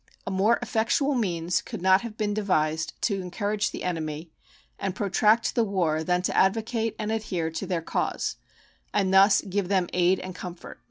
A more effectual means could not have been devised to encourage the enemy and protract the war than to advocate and adhere to their cause, and thus give them "aid and comfort."